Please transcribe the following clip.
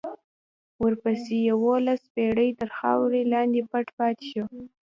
ورپسې یوولس پېړۍ تر خاورو لاندې پټ پاتې شو.